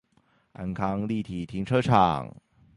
安康立體停車場